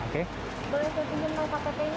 boleh ke sini mau pakai pnu